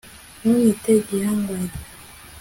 ntunyite igihangange